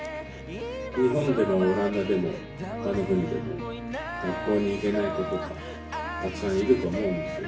日本でもオランダでも、ほかの国でも、学校に行けない子どもがたくさんいると思うんですよね。